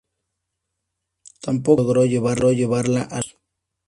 Tampoco esto logró llevarla a los hechos.